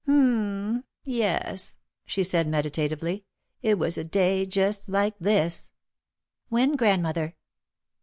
"H m m — yes," she said, meditatively, "it was a day just like this." "When, grandmother?"